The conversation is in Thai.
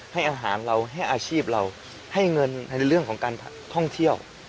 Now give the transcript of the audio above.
ให้อาหารเราให้อาชีพเราให้เงินในเรื่องของการท่องเที่ยว